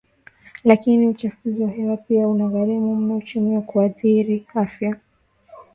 Lakini uchafuzi wa hewa pia unagharimu mno uchumi kwa kuathiri afya